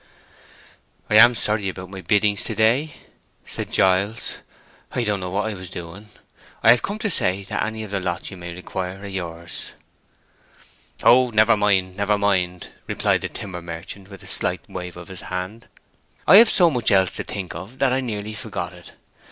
"I am sorry about my biddings to day," said Giles. "I don't know what I was doing. I have come to say that any of the lots you may require are yours." "Oh, never mind—never mind," replied the timber merchant, with a slight wave of his hand, "I have so much else to think of that I nearly had forgot it.